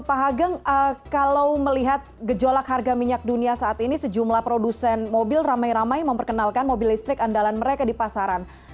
pak hageng kalau melihat gejolak harga minyak dunia saat ini sejumlah produsen mobil ramai ramai memperkenalkan mobil listrik andalan mereka di pasaran